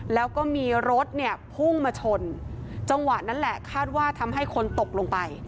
แล้วก็มีรถเนี่ยพุ่งมาชนจังหวะนั้นแหละคาดว่าทำให้คนตกลงไป